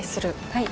はい。